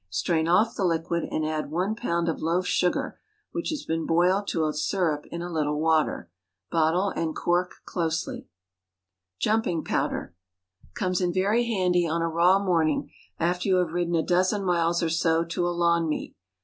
Strain off the liquid, and add one pound of loaf sugar which has been boiled to a syrup in a little water. Bottle and cork closely. "Jumping Powder" comes in very handy, on a raw morning, after you have ridden a dozen miles or so to a lawn meet.